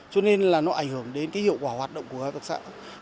cho nên là nó ảnh hưởng đến cái hiệu quả hoạt động của hợp tác xã